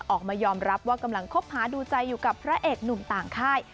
ออกมายอมรับว่ากำลังคบหาดูใจอยู่กับพระเอกหนุ่มต่างค่าย